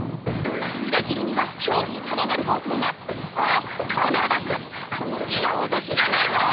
ブラジルには超ヘタレな強盗が「おい金を出せこの銃は脅しじゃねえぞ」